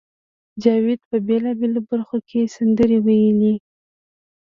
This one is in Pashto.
جاوید په بېلابېلو برخو کې سندرې وویلې